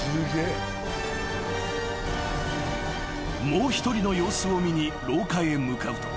［もう一人の様子を見に廊下へ向かうと］